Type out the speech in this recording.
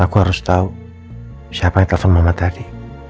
aku harus tahu siapa yang telepon muhammad tadi